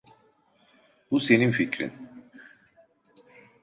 Bu senin fikrin.